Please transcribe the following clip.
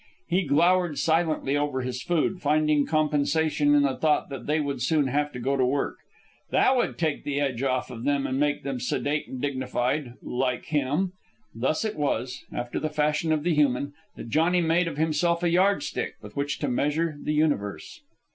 He glowered silently over his food, finding compensation in the thought that they would soon have to go to work. That would take the edge off of them and make them sedate and dignified like him. Thus it was, after the fashion of the human, that Johnny made of himself a yardstick with which to measure the universe.